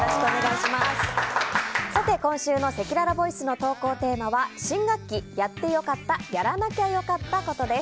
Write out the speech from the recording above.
今週のせきららボイスの投稿テーマは新学期やってよかった・やらなきゃよかったコトです。